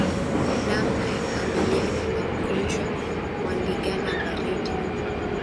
Namna ya kukabiliana na ugonjwa wa ndigana baridi